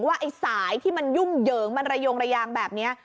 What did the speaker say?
ไอ้สายที่มันยุ่งเหยิงมันระยงระยางแบบนี้